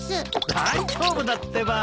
大丈夫だってば。